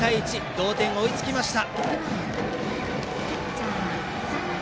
同点追いつきました。